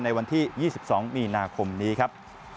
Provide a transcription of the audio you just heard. ในวันที่๒๒มีนาคมนี้ครับ